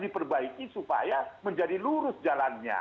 diperbaiki supaya menjadi lurus jalannya